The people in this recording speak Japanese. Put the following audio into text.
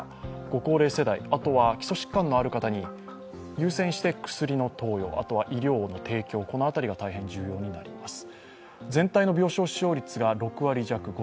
ご高齢世代、あとは基礎疾患がある方に優先して薬の投与、医療の提供、この辺りが大変重要になります。